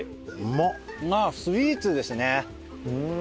まあスイーツですね。